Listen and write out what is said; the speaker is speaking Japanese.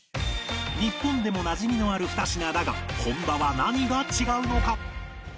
日本でもなじみのある２品だが本場は何が違うのか？